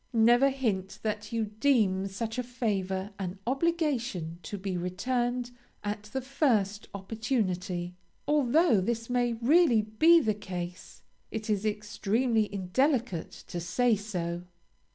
Never hint that you deem such a favor an obligation to be returned at the first opportunity; although this may really be the case, it is extremely indelicate to say so.